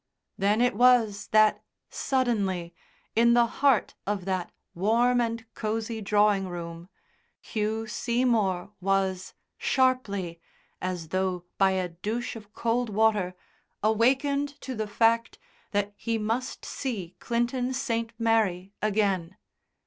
Then it was that suddenly, in the heart of that warm and cosy drawing room, Hugh Seymour was, sharply, as though by a douche of cold water, awakened to the fact that he must see Clinton St. Mary again.